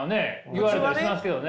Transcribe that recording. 言われたりしますけどね。